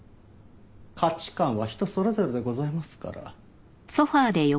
価値観は人それぞれでございますから。